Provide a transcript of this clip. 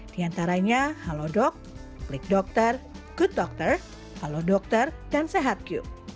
di antaranya halodoc klikdokter gooddokter halodokter dan sehatq